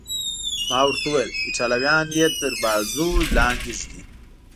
ما ورته وویل: ایټالویان یې تر بازو لاندې ږدي.